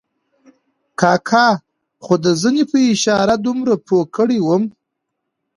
کاکا خو د زنې په اشاره دومره پوه کړی وم.